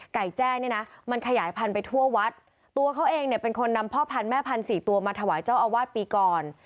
แจ้เนี่ยนะมันขยายพันธุไปทั่ววัดตัวเขาเองเนี่ยเป็นคนนำพ่อพันธแม่พันสี่ตัวมาถวายเจ้าอาวาสปีก่อน